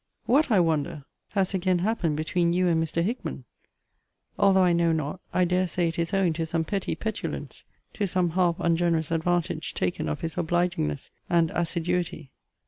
What, I wonder, has again happened between you and Mr. Hickman? Although I know not, I dare say it is owing to some petty petulance, to some half ungenerous advantage taken of his obligingness and assiduity.